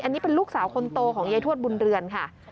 อันนี้เป็นลูกสาวคนโตของยายทวดบุญเรือนค่ะ